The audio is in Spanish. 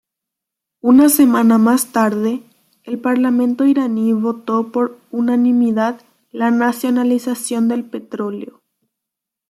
Una semana más tarde, el parlamento iraní votó por unanimidad la nacionalización del petróleo.